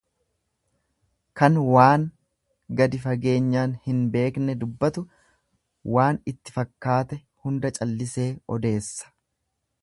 Kan waan gadi fageenyaan hin beekne dubbatu waan itti fakkaate hunda callisee odeessa.